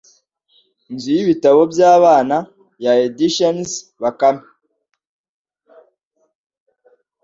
Inzu y'ibitabo by'Abana ya Editions Bakame